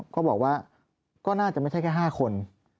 ก็บอกว่าก็น่าจะไม่ใช่แค่๕คน